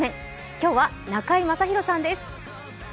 今日は中居正広さんです。